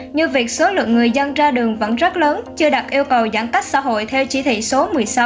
như việc số lượng người dân ra đường vẫn rất lớn chưa đặt yêu cầu giãn cách xã hội theo chỉ thị số một mươi sáu